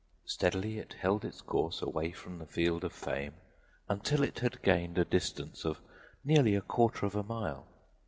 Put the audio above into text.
Steadily it held its course away from the field of fame until it had gained a distance of nearly a quarter of a mile.